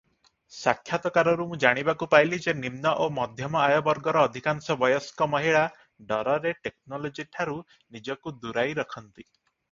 ସାକ୍ଷାତକାରରୁ ମୁଁ ଜାଣିବାକୁ ପାଇଲି ଯେ ନିମ୍ନ ଓ ମଧ୍ୟମ ଆୟ ବର୍ଗର ଅଧିକାଂଶ ବୟସ୍କ ମହିଳା ଡରରେ ଟେକ୍ନୋଲୋଜିଠାରୁ ନିଜକୁ ଦୂରାଇ ରଖନ୍ତି ।